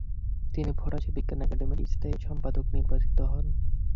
তিনি ফরাসি বিজ্ঞান একাডেমির স্থায়ী সম্পাদক নির্বাচিত হন।